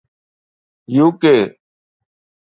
U.K